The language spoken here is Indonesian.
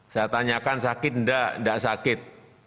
saya tanyakan sakit enggak enggak sakit